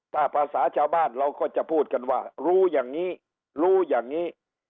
ถ้าภาษาชาวบ้านเราก็จะพูดกันว่ารู้อย่างนี้รู้อย่างนี้